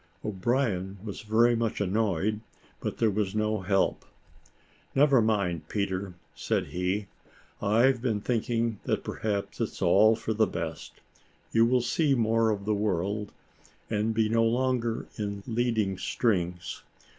O'Brien was very much annoyed, but there was no help. "Never mind, Peter," said he, "I've been thinking that perhaps it's all for the best. You will see more of the world, and be no longer in leading strings.